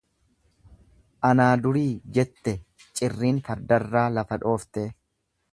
Anaa durii jette cirriin fardarraa lafa dhooftee.